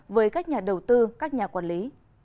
với các nhà đầu tư các nhà quản lý